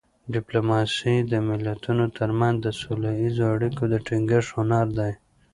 ډیپلوماسي د ملتونو ترمنځ د سوله اییزو اړیکو د ټینګښت هنر دی